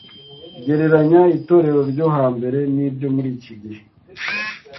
Gereranya itorero ryo hambere n’iryo muri iki gihe